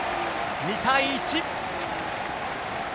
２対１。